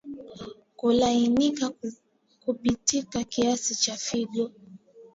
Kulainika kupita kiasi kwa figo